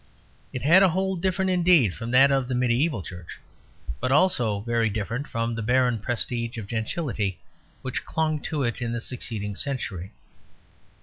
It had a hold different indeed from that of the mediæval Church, but also very different from the barren prestige of gentility which clung to it in the succeeding century.